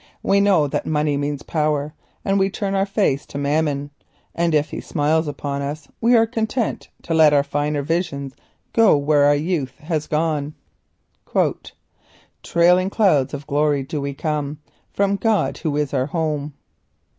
We know that money means power, and we turn our face to Mammon, and if he smiles upon us we are content to let our finer visions go where our youth has gone. "Trailing clouds of glory do we come From God, who is our home."